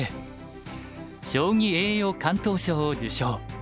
将棋栄誉敢闘賞を受賞。